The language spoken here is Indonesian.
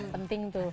penting tuh ya